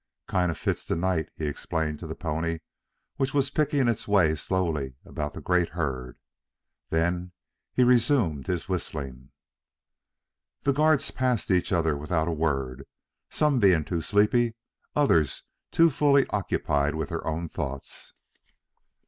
"Kind of fits the night," he explained to the pony, which was picking its way slowly about the great herd. Then he resumed his whistling. The guards passed each other without a word, some being too sleepy; others too fully occupied with their own thoughts.